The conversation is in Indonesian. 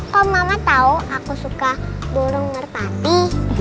kok mama tau aku suka burung ngerpati